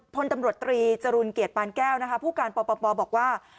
พลตำรวจตรีจรุลเกียรติปานแก้วนะคะผู้การปปบอกว่า